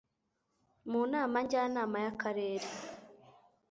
mu Nama Njyanama y'akarere